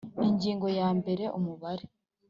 Ingingo ya mbere Umubare